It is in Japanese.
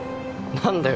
何だよ